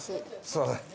すいません